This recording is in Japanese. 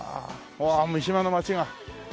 うわあ三島の街が。